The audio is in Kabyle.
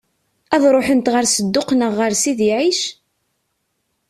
Ad ṛuḥent ɣer Sedduq neɣ ɣer Sidi Ɛic?